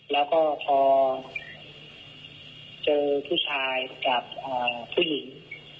แล้วก็พอเจอผู้ชายกับผู้หญิง